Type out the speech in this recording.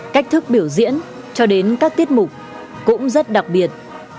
cách thức biểu diễn cho đến các tiết mục cũng rất đặc biệt